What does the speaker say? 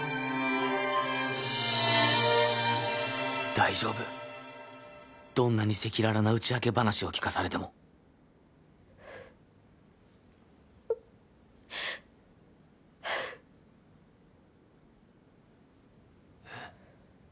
大丈夫どんなに赤裸々な打ち明け話を聞かされてもえっ？